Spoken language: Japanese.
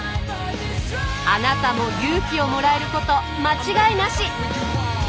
あなたも勇気をもらえること間違いなし！